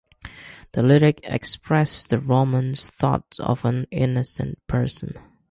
The lyrics express the romantic thoughts of an innocent person.